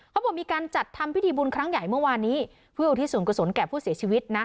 เขาบอกมีการจัดทำพิธีบุญครั้งใหญ่เมื่อวานนี้เพื่ออุทิศส่วนกุศลแก่ผู้เสียชีวิตนะ